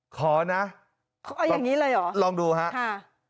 ขอนะเขาเอาอย่างนี้เลยเหรอลองดูฮะค่ะ